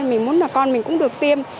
mình muốn là con mình cũng được tiêm